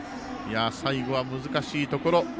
最後は、難しいところ。